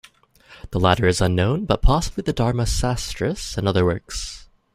The latter is unknown but possibly the Dharmasastras and other works.